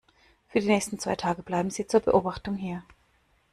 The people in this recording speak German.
Für die nächsten zwei Tage bleiben Sie zur Beobachtung hier.